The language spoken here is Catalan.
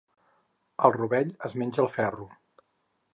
El rovell es menja el ferro.